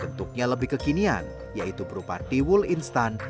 bentuknya lebih kekinian yaitu berupa tiwul instan